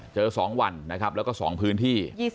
๒วันนะครับแล้วก็๒พื้นที่